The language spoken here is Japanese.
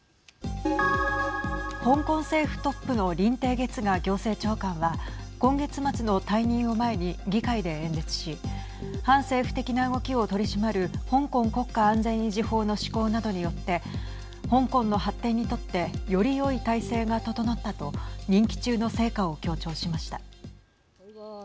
香港政府トップの林鄭月娥行政長官は今月末の退任を前に議会で演説し反政府的な動きを取り締まる香港国家安全維持法の施行などによって香港の発展にとってよりよい体制が整ったと任期中の成果を強調しました。